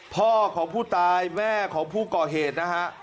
พ่อของผู้ตายแม่ของผู้ก่อเหตุนะฮะ